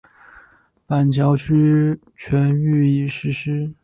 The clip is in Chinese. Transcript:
板桥区全域已实施。